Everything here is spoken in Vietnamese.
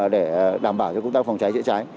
để đảm bảo cho công tác phòng cháy chữa cháy